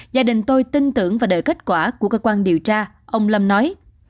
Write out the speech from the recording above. gia đình tôi tin tưởng vào đợi kết quả của cơ quan điều tra ông lâm nói